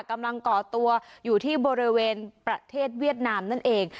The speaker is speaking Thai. ก่อตัวอยู่ที่บริเวณประเทศเวียดนามนั่นเอง